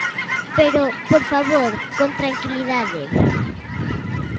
Pero, por favor, con tranquilidade.